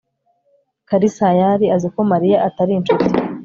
kalisayari azi ko mariya atari inshuti